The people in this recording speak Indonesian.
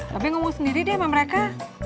tapi ngomong sendiri deh sama mereka